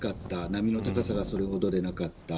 波の高さがそれほどではなかった。